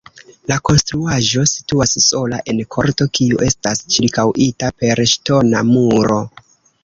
La konstruaĵo situas sola en korto, kiu estas ĉirkaŭita per ŝtona muro.